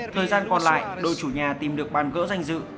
thời gian còn lại đội chủ nhà tìm được bàn gỡ danh dự